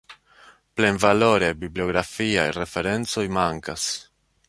Plenvaloraj bibliografiaj referencoj mankas.